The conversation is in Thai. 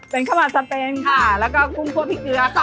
เป็นข้าวหวานสะเป็นแล้วก็กุ้งพ่อพริกเกลือ